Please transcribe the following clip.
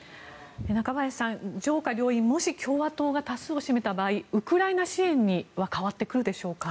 中林さん、上下両院もし共和党が多数を占めた場合ウクライナ支援は変わってくるでしょうか。